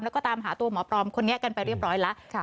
แล้วก็ตามหาตัวหมอปลอมคนนี้กันไปเรียบร้อยแล้ว